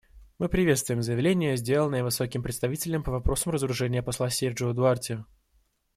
Мы приветствуем заявление, сделанное Высоким представителем по вопросам разоружения посла Сержиу Дуарти.